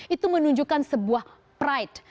itu menunjukkan sebuah pride